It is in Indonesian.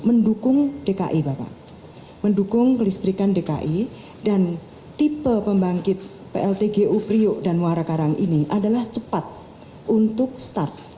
mendukung dki bapak mendukung kelistrikan dki dan tipe pembangkit pltgu priok dan muara karang ini adalah cepat untuk start